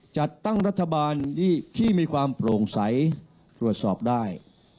จัดตั้งรัฐบาลที่มีความโปร่งใสตรวจสอบได้